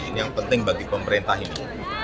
ini yang penting bagi pemerintah ini